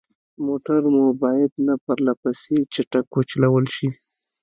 موټر مو باید نه پرلهپسې چټک وچلول شي.